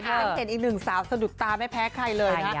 และใครไม่เป็นอีกหนึ่งสาวสะดุดตาไม่แพ้ใครเลยนะ